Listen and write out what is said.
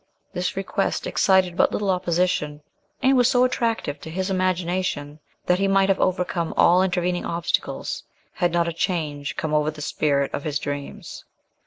This request excited but little opposition, and was so attractive to his imagination, that he might have overcome all intervening obstacles, had not "a change come over the spirit of his dreams."